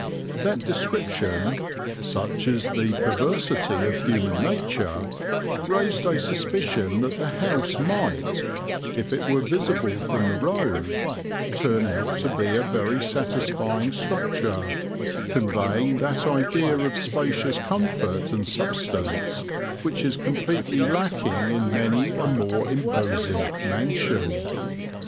That description, such is the perversity of human nature, raised a suspicion that the house might, if it were visible from the road, turn out to be a very satisfying structure, conveying that idea of spacious comfort and substance which is completely lacking in many a more imposing "mansion."